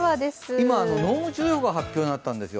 今、濃霧注意報が発表になったんですよ。